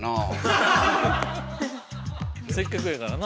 せっかくやからな。